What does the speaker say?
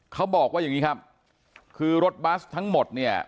เขาบอกว่าอย่างนี้ครับคือรถบัสทั้งหมดเนี่ย